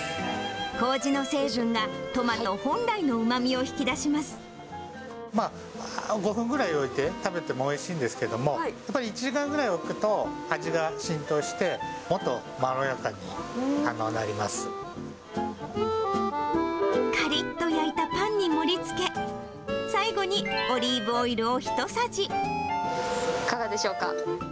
こうじの成分がトマト本来のまあ、５分ぐらい置いて食べてもおいしいんですけども、やっぱり１時間ぐらい置くと、味が浸透して、もっとまろやかにかりっと焼いたパンに盛りつけ、いかがでしょうか？